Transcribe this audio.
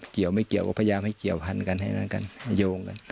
เกี่ยวไม่เกี่ยวก็พยายามให้เกี่ยวพันกันให้แล้วกันโยงกัน